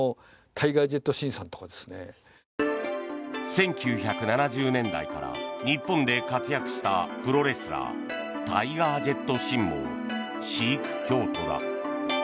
１９７０年代から日本で活躍したプロレスラータイガー・ジェット・シンもシーク教徒だ。